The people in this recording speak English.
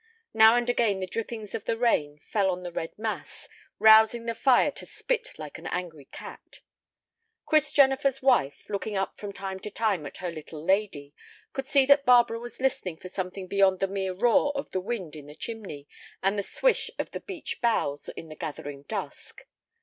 Now and again the drippings of the rain fell on the red mass, rousing the fire to spit like an angry cat. Chris Jennifer's wife, looking up from time to time at her "little lady," could see that Barbara was listening for something beyond the mere roar of the wind in the chimney and the swish of the beech boughs in the gathering dusk.